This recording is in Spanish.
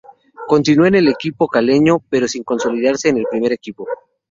Continuó en el equipo caleño pero sin consolidarse en el primer equipo.